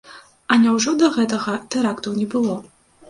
А няўжо да гэтага тэрактаў не было?